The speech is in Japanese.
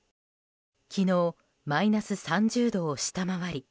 昨日、マイナス３０度を下回り